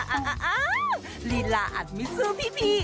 อ่าอ่าอ่าอ่าอ่าลีล่าอัดมิซูพี่พี่